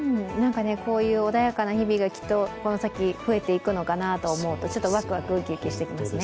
こういう穏やかな日々がこの先増えていくのかなと思うとちょっとワクワク、ウキウキしてきますね。